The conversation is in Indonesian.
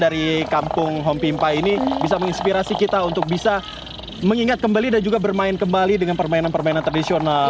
dari kampung hompimpa ini bisa menginspirasi kita untuk bisa mengingat kembali dan juga bermain kembali dengan permainan permainan tradisional